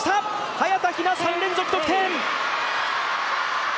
早田ひな、３連続得点。